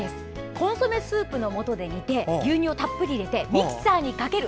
コンソメスープのもとで煮て牛乳をたっぷり入れてミキサーにかける！